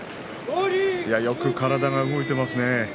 よく体が動いていますね。